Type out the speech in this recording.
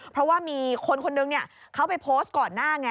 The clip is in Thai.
เพราะว่ามีคนคนนึงเขาไปโพสต์ก่อนหน้าไง